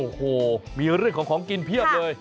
โอ้โหมีเรื่องของของกินเพียบเลย